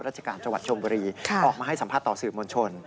ราชการจังหวัดชมบุรีออกมาให้สัมภาษณ์ต่อสื่อมวลชน